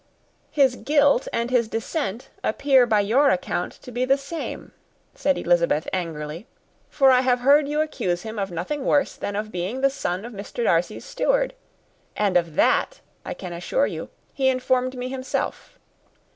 "His guilt and his descent appear, by your account, to be the same," said Elizabeth, angrily; "for I have heard you accuse him of nothing worse than of being the son of Mr. Darcy's steward, and of that, I can assure you, he informed me himself."